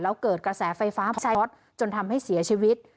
แล้วเกิดกระแสไฟฟ้าช็อตจนทำให้เสียชีวิต